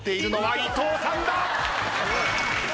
伊藤さんだ！